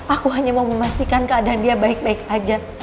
aku hanya mau memastikan keadaan dia baik baik aja